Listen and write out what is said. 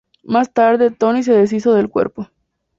Más tarde Tony se deshizo del cuerpo.